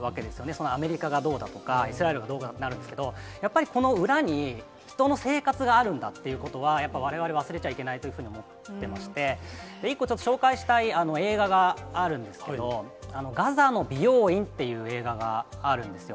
そのアメリカがどうだとか、イスラエルがどうかとかなるんですけど、やっぱりこの裏に、人の生活があるんだっていうことは、やっぱりわれわれ、忘れちゃいけないというふうに思ってまして、一個ちょっと紹介したい映画があるんですけど、ガザの美容院っていう映画があるんですよ。